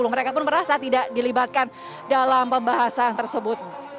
mereka pun merasa tidak dilibatkan dalam pembahasan tersebut